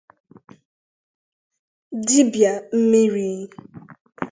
dibịa mmiri